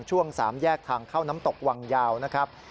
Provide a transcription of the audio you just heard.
ช่วง๓แยกทางเข้าน้ำตกวังยาวนะครับ